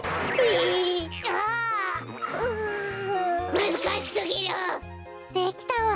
むずかしすぎる！できたわ。